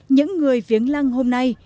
những người viếng lăng hôm nay